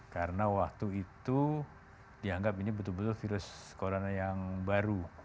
karena waktu itu dianggap ini betul betul virus corona yang baru